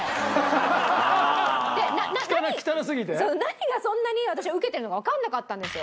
何がそんなに私はウケてるのかわからなかったんですよ。